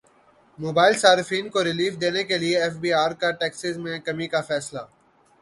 mobile صارفین کو relief دینے کیلئے ایف بی ار کا ٹیکسز میں کمی کا فیصلہ